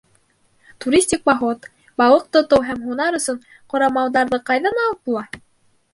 Туристик поход, балыҡ тотоу һәм һунар өсөн ҡорамалдарҙы ҡайҙан алып була?